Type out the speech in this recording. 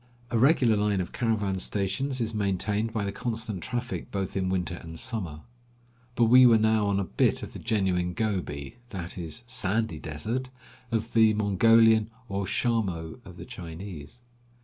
A regular line of caravan stations is maintained by the constant traffic both in winter and summer. But we were now on a bit of the genuine Gobi — that is, "Sandy Desert" — of the Mongolian, or "Shamo" of the Chinese.